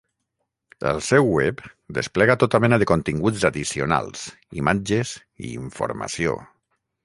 El seu web desplega tota mena de continguts addicionals, imatges i informació.